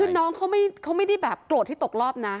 คือน้องเขาไม่ได้แบบโกรธที่ตกรอบนะ